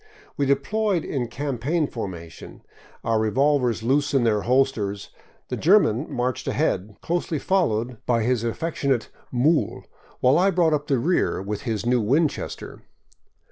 We deployed in campaign formation. Our revolvers loose In their holsters, the German marched ahead, closely followed by his afifec 563 VAGABONDING DOWN THE ANDES donate mool," while I brought up the rear with his new Winchester.